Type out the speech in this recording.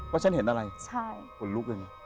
ว่าฉันเห็นอะไรผลลูกเลยเหรอ